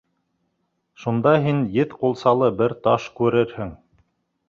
Шунда һин еҙ ҡулсалы бер таш күрерһең.